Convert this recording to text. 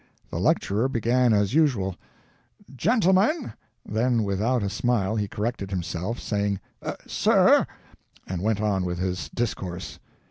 The lecturer began as usual "Gentlemen," then, without a smile, he corrected himself, saying "Sir," and went on with his discourse.